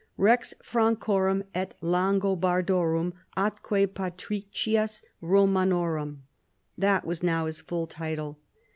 " Rex Fran corum et Langobardorum atque Patricius Homan orum":that was now his full title.